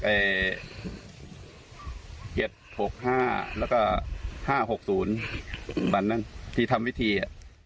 ๗๖๕แล้วก็๕๖๐บันนั่งที่ทำวิธี